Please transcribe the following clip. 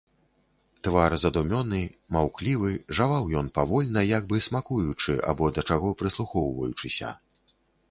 Твар задумёны, маўклівы, жаваў ён павольна, як бы смакуючы або да чаго прыслухоўваючыся.